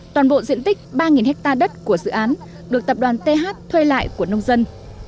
toàn bộ diện tích ba hectare đất của dự án được tập đoàn th thuê lại của nông dân